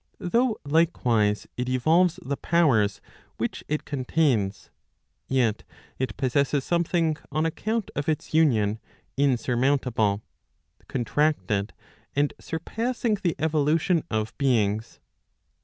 Though likewise it evolves the power# which it contains, yet it possesses something on account of its union insurmountable, contracted, and surpassing the evolution of beings.